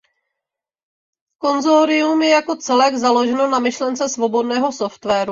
Konsorcium je jako celek založeno na myšlence svobodného softwaru.